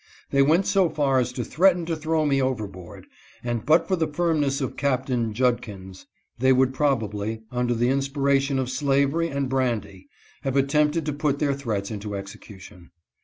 They went so far as to threaten to throw me overboard, and but for the firmness of Captain Judkins they would probably, under the inspiration of slavery and brandy, have attempted to put their threats into execution.